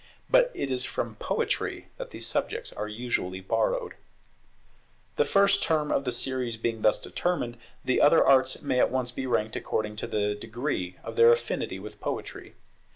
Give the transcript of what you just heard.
But it is from Poetry that these subjects are usually borrowed. The first term of the series being thus determined, the other arts may at once be ranked according to the degree of their affinity with Poetry.